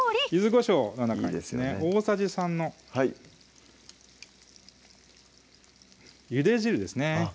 柚子こしょうの中にですね大さじ３のゆで汁ですね